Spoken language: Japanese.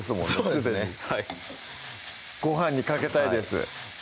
すでにごはんにかけたいです